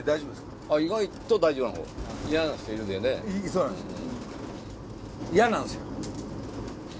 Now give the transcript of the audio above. そうなんですよ。